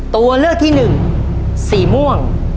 ตัวเลือกที่หนึ่งสีม่วง